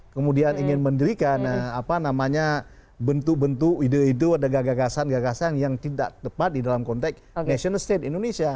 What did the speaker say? kemudian ingin mendirikan bentuk bentuk ide ide ada gagasan gagasan yang tidak tepat di dalam konteks national state indonesia